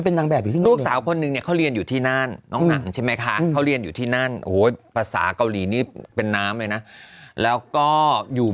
นางก็มาดู